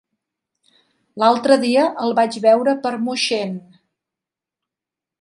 L'altre dia el vaig veure per Moixent.